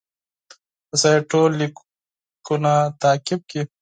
د سید ټول لیکونه تعقیب کړي.